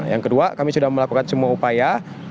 yang kedua kami sudah melakukan semua upaya